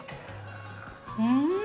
うん！